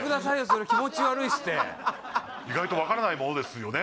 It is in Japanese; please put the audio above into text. それ気持ち悪いっすって意外と分からないものですよね